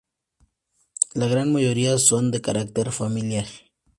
La gran mayoría son de carácter familiar.